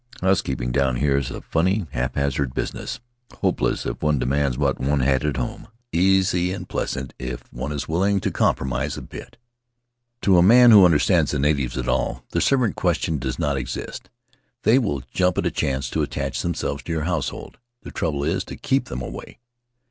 House keeping down here is a funny, haphazard business —[ 260 j At the House of Tari hopeless if one demands what one had at home; easy and pleasant if one is willing to compromise a bit. To a man who understands the natives at all the servant question does not exist; they will jump at a chance to attach themselves to your household — the trouble is to keep them away.